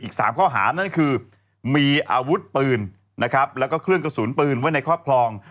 อีก๓ข้อหามนั้นคือมีอวุฒิปืนและเครื่องกระสุนปืนไว้ในครอบครอง